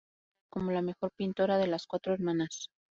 Es considerada como la mejor pintora de las cuatro hermanas.